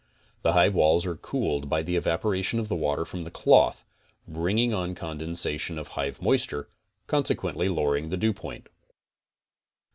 The hive walls are cooled by the evaporation of the water from the cloth, bring ing on condensation of hive moisture, consequently lowering the dewpoint.